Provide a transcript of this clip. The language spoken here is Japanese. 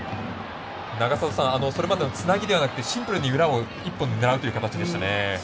永里さん、それまでのつなぎではなくてシンプルに裏を一本で狙うという形でしたね。